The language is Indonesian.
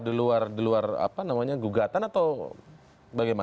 itu di luar gugatan atau bagaimana